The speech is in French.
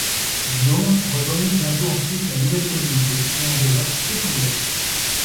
Guillaume rejoignit bientôt ensuite la nouvelle communauté et en devint sous-prieur.